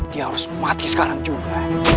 dia harus mati sekarang juga